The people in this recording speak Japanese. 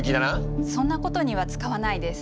そんなことには使わないです。